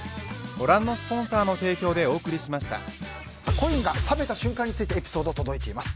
恋が冷めた瞬間についてエピソード届いています。